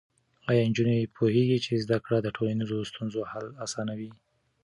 ایا نجونې پوهېږي چې زده کړه د ټولنیزو ستونزو حل اسانوي؟